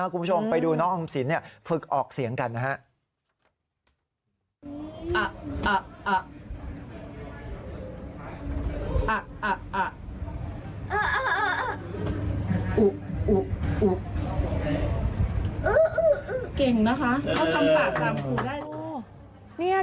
คุณผู้ชมไปดูน้องออมสินฝึกออกเสียงกันนะฮะ